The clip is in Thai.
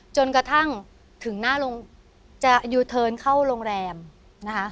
จนกระทั่งถึงหน้าโรงจะยูเทิร์นเข้าโรงแรมนะคะ